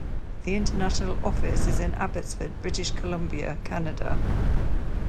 The International Office is in Abbotsford, British Columbia, Canada.